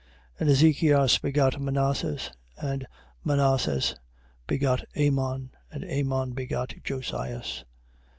1:10. And Ezechias begot Manasses. And Manasses begot Amon. And Amon begot Josias.